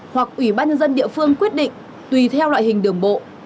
hoặc ủy ban nhân dân địa phương quyết định tùy theo loại hình đường bộ